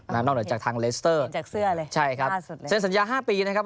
นอกจากทางเลสเตอร์เป็นจากเสื้อเลยใช่ครับสัญญา๕ปีนะครับ